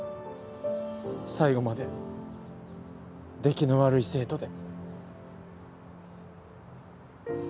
最後まで出来の悪い生徒で。